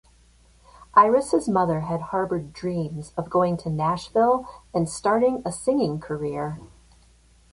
Iris's mother had harbored dreams of going to Nashville and starting a singing career.